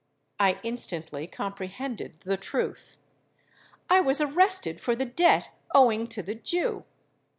I instantly comprehended the truth. I was arrested for the debt owing to the Jew.